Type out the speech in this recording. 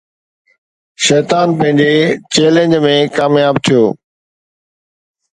شيطان پنهنجي چئلينج ۾ ڪامياب ٿيو